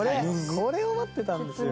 これを待ってたんですよ。